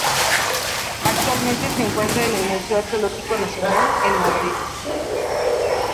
Actualmente se encuentra en el Museo Arqueológico Nacional, en Madrid.